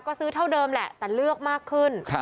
ก็ซื้อเท่าเดิมแหละแต่เลือกมากขึ้น